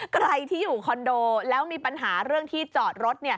ใครที่อยู่คอนโดแล้วมีปัญหาเรื่องที่จอดรถ